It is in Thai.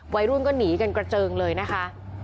วัยรุ่นก็หนีกันกระเจิงเลยนะคะ